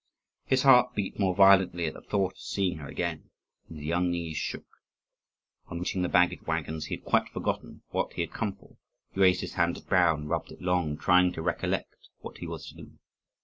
His heart beat more violently at the thought of seeing her again, and his young knees shook. On reaching the baggage waggons, he had quite forgotten what he had come for; he raised his hand to his brow and rubbed it long, trying to recollect what he was to do.